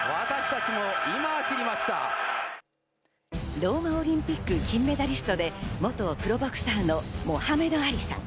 ローマオリンピック金メダリストで元プロボクサーのモハメド・アリさん。